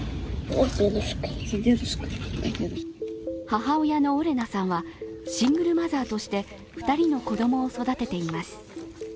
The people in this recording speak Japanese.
母親のオレナさんはシングルマザーとして２人の子供を育てています。